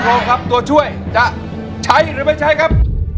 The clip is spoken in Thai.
พร้อมครับตัวช่วยจะใช้หรือไม่ใช้ครับ